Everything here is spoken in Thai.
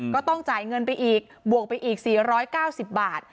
ก็ต้องจ่ายเงินไปอีกบวกไปอีก๔๙๐บาท